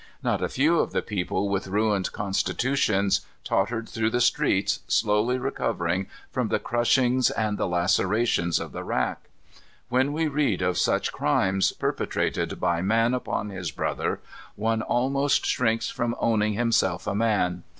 Not a few of the people with ruined constitutions, tottered through the streets, slowly recovering from the crushings and the lacerations of the rack. When we read of such crimes perpetrated by man upon his brother, one almost shrinks from owning himself a man.